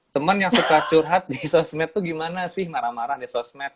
temen yang suka curhat di sosmed tuh gimana sih marah marah di sosmed